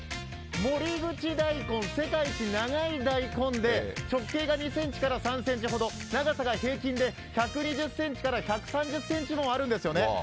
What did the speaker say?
守口大根、世界一高い大根で直径が２ｃｍから３ｃｍほど、長さが平均で１２０ｃｍから１３０ｃｍもあるんですよね。